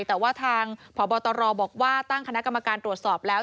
แต่ว่าทางพบตรบอกว่าตั้งคณะกรรมการตรวจสอบแล้ว